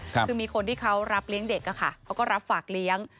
คือมีคนที่เขารับเลี้ยงเด็กเขาก็รับฝากเลี้ยง